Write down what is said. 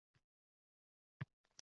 Ismoil osmondan tushgani yo'q.